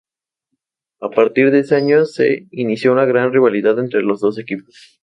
A partir de ese año se inició una gran rivalidad entre los dos equipos.